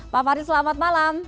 pak fahri selamat malam